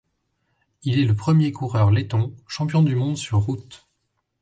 Il est le premier coureur letton champion du monde sur route.